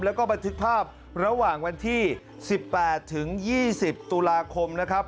แล้วก็บันทึกภาพระหว่างวันที่๑๘ถึง๒๐ตุลาคมนะครับ